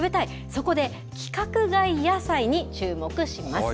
そこで、規格外野菜に注目します。